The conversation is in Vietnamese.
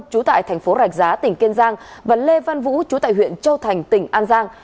trú tại thành phố rạch giá tỉnh kiên giang và lê văn vũ chú tại huyện châu thành tỉnh an giang